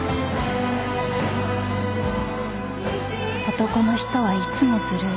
［男の人はいつもずるい］